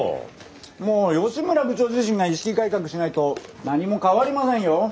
もう吉村部長自身が意識改革しないと何も変わりませんよ。